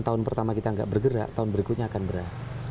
tahun pertama kita tidak bergerak tahun berikutnya akan berakhir